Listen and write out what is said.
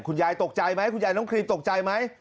คุณยายตกใจไหมคุณยายน้องครีมตกใจไหม